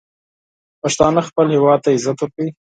پښتانه خپل هیواد ته عزت ورکوي.